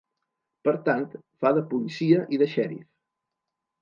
Per tant, fa de policia i de xèrif.